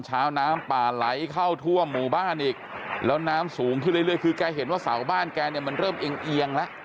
น้ำป่าไหลเข้าทั่วหมู่บ้านอีกแล้วน้ำสูงขึ้นเรื่อยคือแกเห็นว่าเสาบ้านแกเนี่ยมันเริ่มเอียงแล้ว